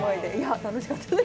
楽しかったです。